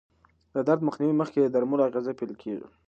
د درد مخنیوي مخکې د درملو اغېزه پېل کېږي.